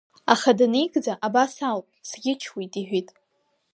Аха даникӡа, абас ауп, сӷьычуеит, иҳәит.